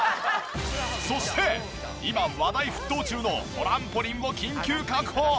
そして今話題沸騰中のトランポリンを緊急確保！